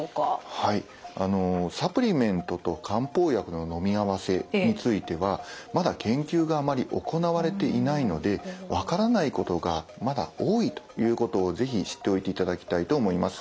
サプリメントと漢方薬ののみ合わせについてはまだ研究があまり行われていないので分からないことがまだ多いということを是非知っておいていただきたいと思います。